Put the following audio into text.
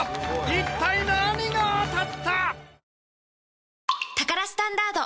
一体何が当たった！？